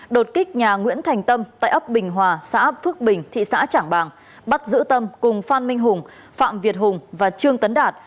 đột kích nhà nguyễn thành tâm tại ấp bình hòa xã phước bình thị xã trảng bàng bắt giữ tâm cùng phan minh hùng phạm việt hùng và trương tấn đạt